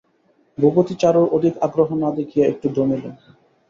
ভূপতি চারুর অধিক আগ্রহ না দেখিয়া একটু দমিল।